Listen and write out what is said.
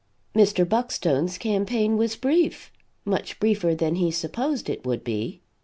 Mr. Buckstone's campaign was brief much briefer than he supposed it would be.